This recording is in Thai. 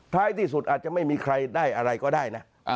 ท้ายที่สุดอาจจะไม่มีใครได้อะไรก็ได้นะ